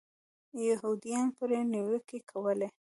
یهودیانو پرې نیوکې کولې.